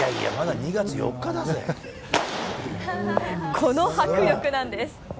この迫力なんです。